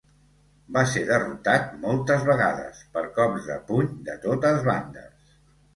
Va ser derrotat moltes vegades, per cops de puny de totes bandes.